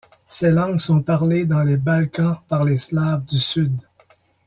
Ces langues sont parlées dans les Balkans par les Slaves du Sud.